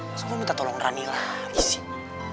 masuk gue minta tolong rani lagi sih